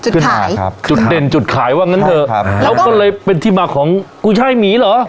จุดขายจุดเด่นจุดขายว่างั้นเถอะครับแล้วก็เลยเป็นที่มาของกูใช่หมีเหรอ